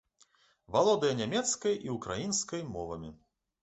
Валодае нямецкай і ўкраінскай мовамі.